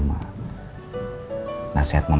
tapi mungkin lewat malam